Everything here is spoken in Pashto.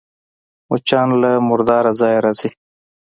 مچان له مرداره ځایه راځي